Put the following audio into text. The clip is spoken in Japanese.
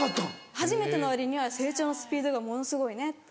初めての割には成長のスピードがものすごいねって。